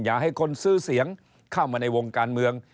อย่าให้คนซื้อเสียงเข้ามาในวงการเมือง